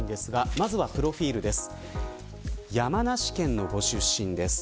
まずはプロフィルです。